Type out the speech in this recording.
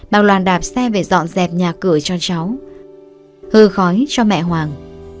bác loan đạp xe về dọn dẹp nhà cửa cho cháu hư khói cho mẹ hoàng